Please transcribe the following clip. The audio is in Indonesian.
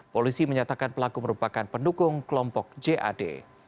polisi menyatakan pelaku merupakan pendukung kelompok jad